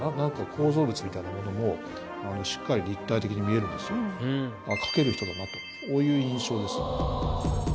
構造物みたいなものもしっかり立体的に見えるんですよ。という印象ですね。